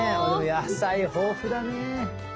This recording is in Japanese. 野菜豊富だね。